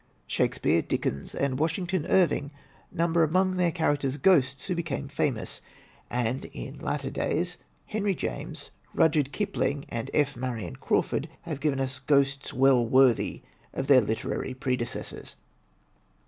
Shakespeare, Dickens, and Washington Irving number among their characters ghosts who became famous. And in latter days, Henry James, Rudyard Kipling and F. Marion Crawford have given us ghosts well worthy of their literary predecessors.